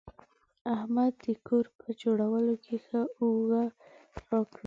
احمد د کور په جوړولو کې ښه اوږه راکړه.